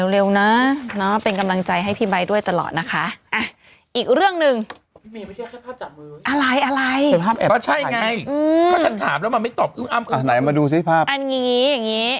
แล้วมันไม่ตอบอ้าวอ่ะไหนมาดูสิภาพอันอย่างงี้อย่างงี้